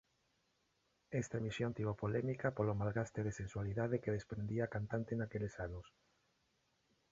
Esta emisión tivo polémica polo malgaste de sensualidade que desprendía a cantante naqueles anos.